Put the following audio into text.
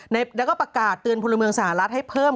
แล้วก็ประกาศเตือนพลเมืองสหรัฐให้เพิ่ม